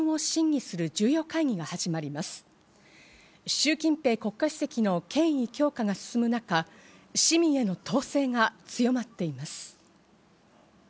シュウ・キンペイ国家主席の権威強化が進む中、市民への統制が強まっています。